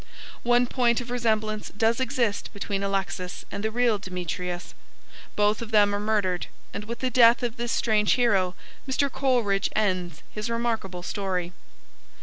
One point of resemblance does exist between Alexis and the real Demetrius. Both of them are murdered, and with the death of this strange hero Mr. Coleridge ends his remarkable story.